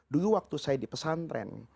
dulu waktu saya di pesantren